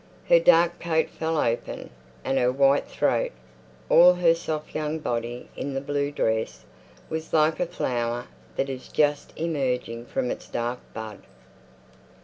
Her dark coat fell open, and her white throat—all her soft young body in the blue dress—was like a flower that is just emerging from its dark bud.